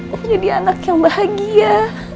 menjadi anak yang bahagia